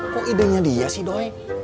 kok idenya dia sih doy